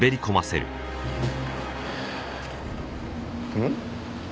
うん？